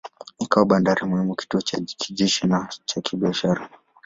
Ikawa bandari muhimu, kituo cha kijeshi na cha kibiashara.